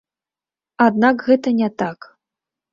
Аднак гэта не так.